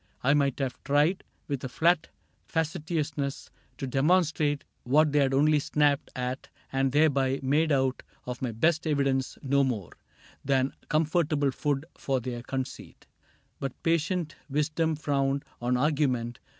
I might have tried, With a flat facetiousness, to demonstrate What they had only snapped at and thereby Made out of my best evidence no more Than comfortable food for their conceit ; But patient wisdom frowned on argument.